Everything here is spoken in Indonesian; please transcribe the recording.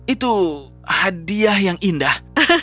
itu hadiah yang indah